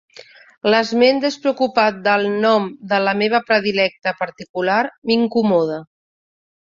L'esment despreocupat del nom de la meva predilecta particular m'incomoda.